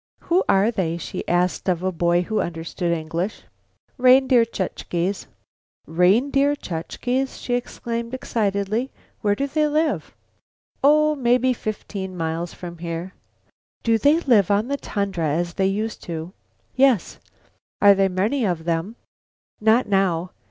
"Who are they?" she asked of a boy who understood English. "Reindeer Chukches." "Reindeer Chukches?" she exclaimed excitedly. "Where do they live?" "Oh, mebby fifteen miles from here." "Do they live on the tundra as they used to?" "Yes." "Are there many of them?" "Not now.